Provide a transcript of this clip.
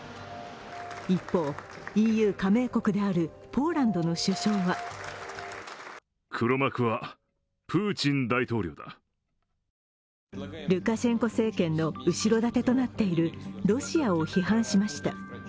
一方、ＥＵ加盟国であるポーランドの首相はルカシェンコ政権の後ろ盾となっているロシアを批判しました。